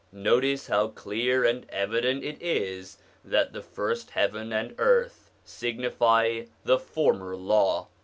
Notice how clear and evident it is that the first heaven and earth signify the former Law.